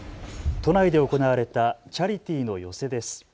都内で行われたチャリティーの寄せです。